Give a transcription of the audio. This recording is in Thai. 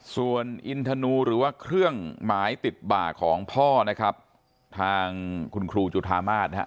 ส่วนอินทนูหรือว่าเครื่องหมายติดบ่าของพ่อนะครับทางคุณครูจุธามาศนะฮะ